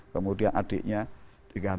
kemudian adiknya diganti